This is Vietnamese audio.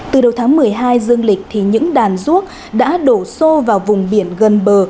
từ đầu tháng một mươi hai dương lịch thì những đàn ruốc đã đổ xô vào vùng biển gần bờ